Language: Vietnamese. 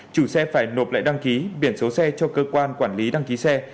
chủ xe phải nộp lại đăng ký biển số xe cho cơ quan quản lý đăng ký xe